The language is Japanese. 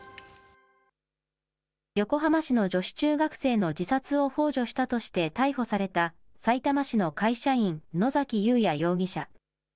横浜市の女子中学生の自殺をほう助したとして逮捕されたさいたま市の会社員、野崎祐也容疑者。